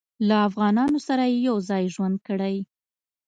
له افغانانو سره یې یو ځای ژوند کړی.